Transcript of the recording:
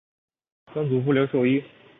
曾祖父刘寿一。